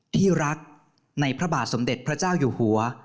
ที่รักในพระบาทสมเด็จพระเจ้าอยู่หัว